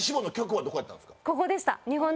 ここでした。